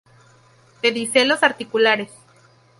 Pedicelos articulares.